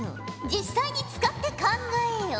実際に使って考えよ。